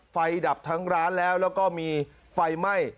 ดับทั้งร้านแล้วแล้วก็มีไฟไหม้